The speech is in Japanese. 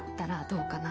どうかな？